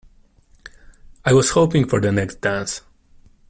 I was hoping for the next dance.